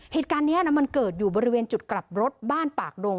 เหตุการณ์นี้มันเกิดอยู่บริเวณจุดกลับรถบ้านปากดง